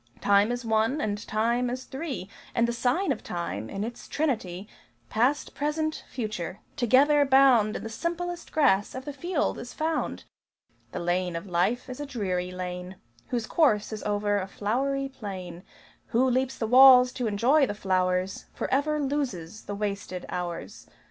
Time is one, and Time is three: And the sign of Time, in its Trinity Past, Present, Future, together bound In the simplest grass of the field is found! The lane of life is a dreary lane Whose course is over a flowery plain. Who leaps the walls to enjoy the flowers Forever loses the wasted hours.